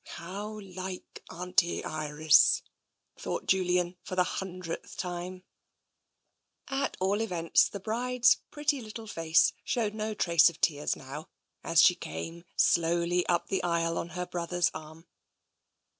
" How like Auntie Iris !" thought Julian, for the hundredth time. TENSION 213 At all events, the bride's pretty little face showed no trace of tears now, as she came slowly up the aisle on her brother's arm.